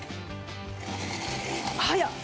早っ！